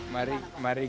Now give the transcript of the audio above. mari kita berkata